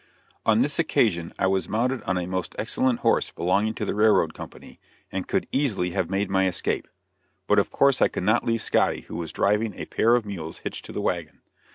On this occasion I was mounted on a most excellent horse belonging to the railroad company, and could easily have made my escape; but of course I could not leave Scotty who was driving a pair of mules hitched to the wagon.